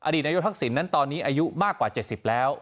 อดีตนายกวัฒนมนตรีทักษิณนั้นตอนนี้อายุมากกว่า๗๐แล้ว